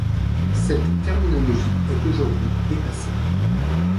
Cette terminologie est aujourd'hui dépassée.